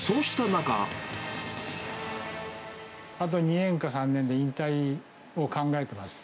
あと２年か３年で引退を考えてます。